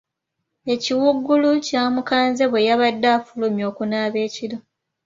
Ekiwuugulu kyamukanze bwe yabadde afulumye okunaaba ekiro.